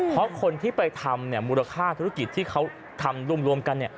เพราะคนที่ไปทำมูลค่าธุรกิจที่เขาทำรวมกัน